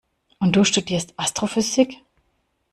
Und du studierst Astrophysik?